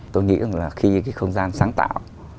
tôi nghĩ là khi cái không gian sáng tạo